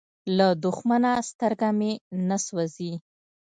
له دښمنه سترګه مې نه سوزي.